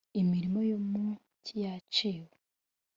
imirima yo mu cyi yaciwe,